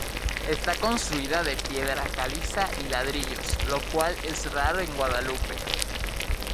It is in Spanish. Está construida de piedra caliza y ladrillos, lo cual es raro en Guadalupe.